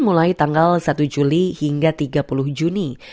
mulai tanggal satu juli hingga tiga puluh juni